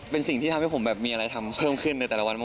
เป็นสิ่งที่ทำให้ผมแบบมีอะไรทำเพิ่มขึ้นในแต่ละวัน